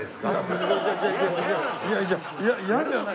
いやいや嫌じゃない。